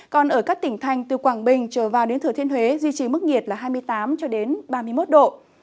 còn ở các tỉnh thành từ quảng bình trở vào đến thừa thiên huế duy trì mức nhiệt là hai mươi tám ba mươi một độ